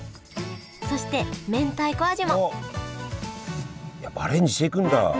そして明太子味もいやアレンジしていくんだ。